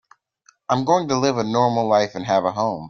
I'm going to live a normal life and have a home.